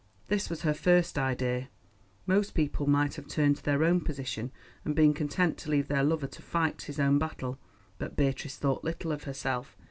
This was her first idea. Most people might have turned to their own position and been content to leave their lover to fight his own battle. But Beatrice thought little of herself.